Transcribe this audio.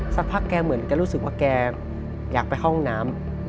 สักพักแกเหมือนแกรู้สึกว่าแกอยากไปห้องน้ำ